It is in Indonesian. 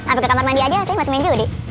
aku ke kamar mandi aja saya masih main judi